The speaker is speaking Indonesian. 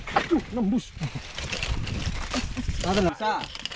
baru mulai tangan sudah